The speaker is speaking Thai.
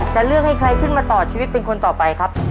จะเลือกให้ใครขึ้นมาต่อชีวิตเป็นคนต่อไปครับ